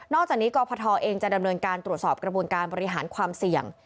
จากนี้กรพทเองจะดำเนินการตรวจสอบกระบวนการบริหารความเสี่ยง